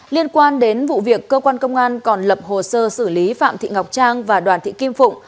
liên quan đến vụ việc cơ quan công an còn lập hồ sơ xử lý phạm thị ngọc trang và đoàn thị kim phụng